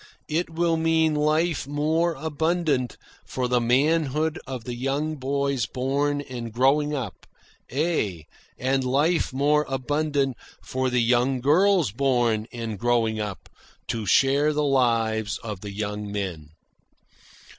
It will mean life more abundant for the manhood of the young boys born and growing up ay, and life more abundant for the young girls born and growing up to share the lives of the young men."